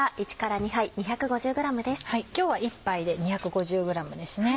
今日は１ぱいで２５０ｇですね。